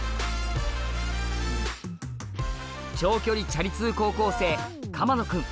長距離チャリ通高校生鎌野君